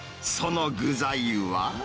その具材は。